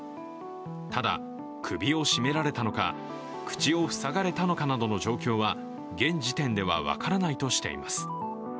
ただ、首を絞められたのか、口を塞がれたのかなどの状況は現時点では分からないとしています。